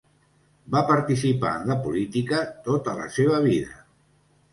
Va participar en la política tota la seva vida.